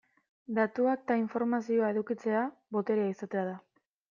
Datuak eta informazioa edukitzea, boterea izatea da.